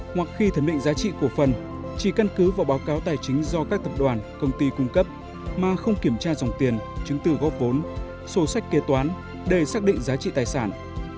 hoặc khi thẩm định giá trị cổ phần chỉ căn cứ vào báo cáo tài chính do các tập đoàn công ty cung cấp mà không kiểm tra dòng tiền chứng từ góp vốn sổ sách kế toán để xác định giá trị tài sản